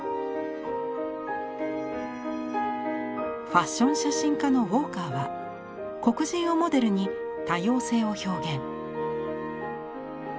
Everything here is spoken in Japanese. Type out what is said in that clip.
ファッション写真家のウォーカーは黒人をモデルに多様性を表現。